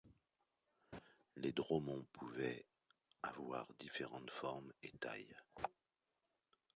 Les dromons pouvaient avoir différentes formes et tailles.